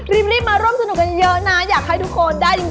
รีบมาร่วมสนุกกันเยอะนะอยากให้ทุกคนได้จริง